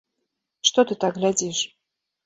Што ты так глядзіш?